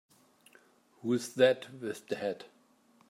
Who's that with the hat?